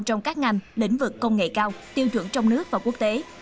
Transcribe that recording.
trong các ngành lĩnh vực công nghệ cao tiêu chuẩn trong nước và quốc tế